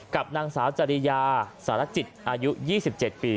กับนางสาวจริยาสารจิตอายุ๒๗ปี